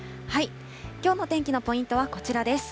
きょうの天気のポイントはこちらです。